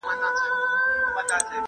هغه بیا هېڅ ښکېلاک تیاره نشي ماتولای.